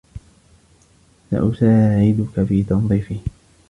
سأساعدك في تنظيفه.